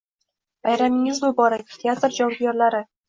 Bayramingiz muborak, teatr jonkuyarlari!